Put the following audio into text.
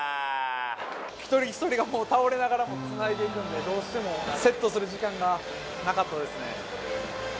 一人一人が倒れながらもつないでいくんで、どうしてもセットする時間がなかったですね。